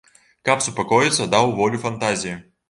Каб супакоіцца, даў волю фантазіі.